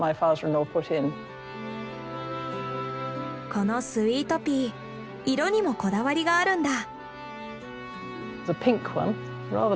このスイートピー色にもこだわりがあるんだ。